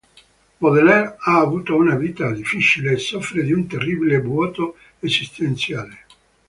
Baudelaire ha avuto una vita difficile e soffre di un terribile vuoto esistenziale.